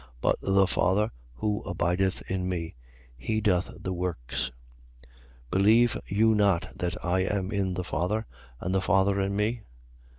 But the Father who abideth in me, he doth the works. 14:11. Believe you not that I am in the Father and the Father in me?